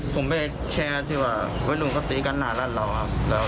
ผมไปแชร์ที่ว่าวัยรุ่นก็ตีกันหน้ารันเหล่าครับ